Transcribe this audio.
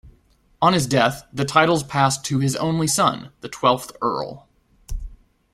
On his death the titles passed to his only son, the twelfth Earl.